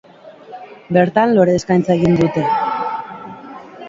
Bertan lore eskaintza egin dute.